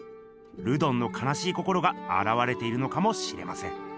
ルドンのかなしい心があらわれているのかもしれません。